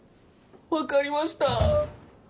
わかりました。